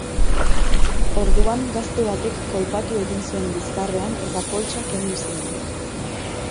Orduan, gazte batek kolpatu egin zuen bizkarrean, eta poltsa kendu zien.